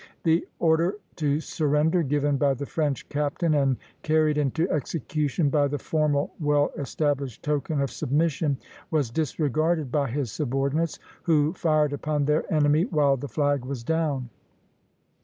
The order to surrender, given by the French captain and carried into execution by the formal well established token of submission, was disregarded by his subordinates, who fired upon their enemy while the flag was down.